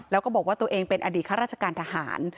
แล้วก็บอกว่าตัวเองเป็นอดีตข้าราชการทหาร